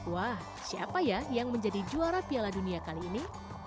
wah siapa ya yang menjadi juara piala dunia kali ini